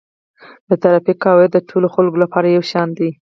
د ترافیک قواعد د ټولو خلکو لپاره یو شان دي.